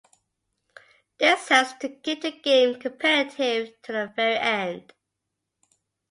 This helps to keep the game competitive to the very end.